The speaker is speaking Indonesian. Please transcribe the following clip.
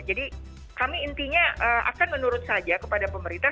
jadi kami intinya akan menurut saja kepada pemerintah